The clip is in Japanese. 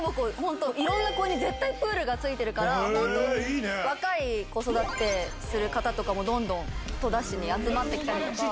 いろんな公園に絶対プールがついてるから若い子育てする方もどんどん戸田市に集まってきたり。